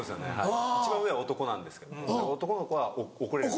一番上は男なんですけど男の子は怒れるんです。